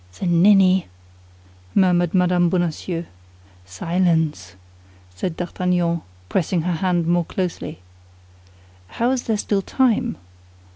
"The ninny!" murmured Mme. Bonacieux. "Silence!" said D'Artagnan, pressing her hand more closely. "How is there still time?"